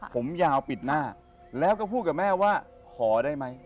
ผมยาวปิดหน้าแล้วก็พูดกับแม่ว่าขอได้ไหม